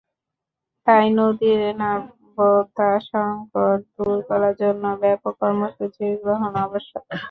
তাই নদীর নাব্যতা সংকট দূর করার জন্য ব্যাপক কর্মসূচি গ্রহণ আবশ্যক।